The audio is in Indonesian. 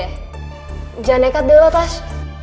jangan nekat dulu lo tash